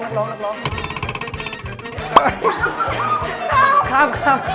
ครับครับครับ